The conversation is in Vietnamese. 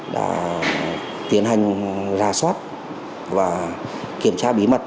đã tiến hành ra soát và kiểm tra bí mật